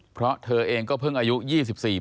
เพราะเธอเองก็เพิ่งอายุ๒๔ปี